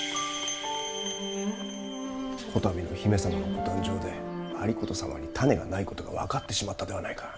こたびの姫様のご誕生で有功様に胤がないことが分かってしまったではないか。